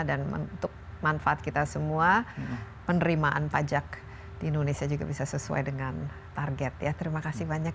dan untuk manfaat kita semua penerimaan pajak di indonesia